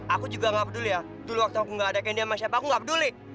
aku juga enggak peduli ya dulu waktu aku enggak ada gendy sama siapa aku enggak peduli